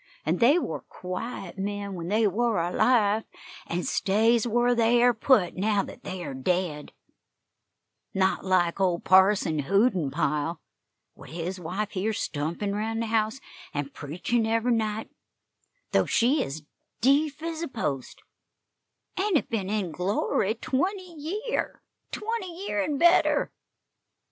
An' they war quiet men when they war alive, an' stays whar they air put now that they air dead; not like old Parson Hoodenpyle, what his wife hears stumpin' round the house an' preachin' every night, though she air ez deef ez a post, an' he hev been in glory twenty year twenty year an' better.